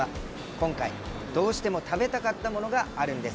今回どうしても食べたかったものがあるんです。